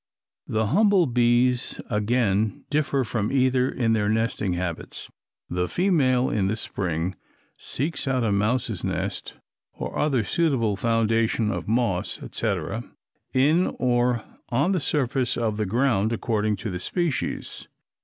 The humble bees again differ from either in their nesting habits: the female in the spring seeks out a mouse's nest or other suitable foundation of moss, etc., in or on the surface of the ground, according to the species.